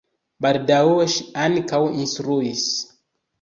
Baldaŭe ŝi ankaŭ instruis.